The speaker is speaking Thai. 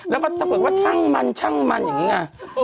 แล้วก็ถ้าเกิดว่าช่างมันช่างมันอย่างนี้ไง